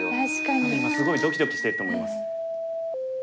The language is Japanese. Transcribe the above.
多分今すごいドキドキしてると思います。